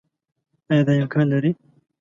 آيا دا امکان لري